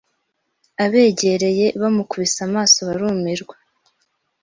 Abegereye ,bamukubise amaso barumirwa